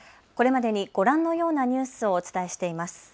これまでにご覧のようなニュースをお伝えしています。